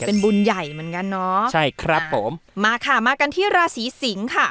เป็นบุญใหญ่เหมือนกันเนาะใช่ครับผมมาค่ะมากันที่ราศีสิงค่ะ